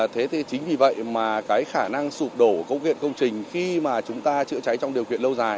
thế thì chính vì vậy mà cái khả năng sụp đổ công viện công trình khi mà chúng ta chữa cháy trong điều kiện lâu dài